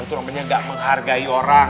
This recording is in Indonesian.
itu namanya gak menghargai orang